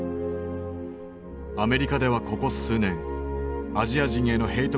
アメリカではここ数年アジア人へのヘイト